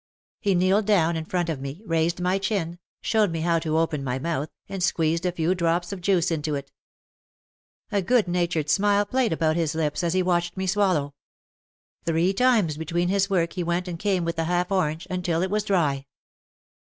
He kneeled down in front of me, raised my chin, showed me how to open my mouth and squeezed a few drops of juice into it. A good natured smile played about his lips as he watched me swallow. Three times between his work he went and came with the half orange, until it was dry.